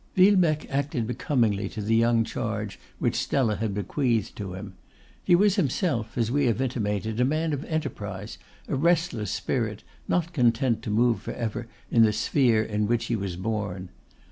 Villebecque acted becomingly to the young charge which Stella had bequeathed to him. He was himself, as we have intimated, a man of enterprise, a restless spirit, not content to move for ever in the sphere in which he was born.